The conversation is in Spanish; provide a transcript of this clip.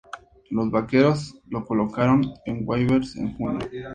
Los Vaqueros lo colocaron en waivers en junio.